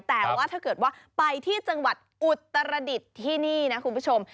แต่ว่าถ้าเกิดว่าไปที่จังหวัดอุตรดิษฐ์ที่นี่นะคุณผู้ชม